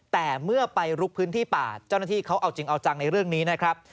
แต่เมื่อไปลุกพื้นที่ป่าเจ้าหน้าที่เขาเอาจริงเอาจังในเรื่องนี้นะครับ